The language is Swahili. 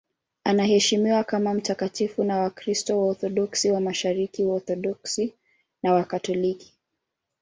Anaheshimiwa kama mtakatifu na Wakristo Waorthodoksi wa Mashariki, Waorthodoksi na Wakatoliki.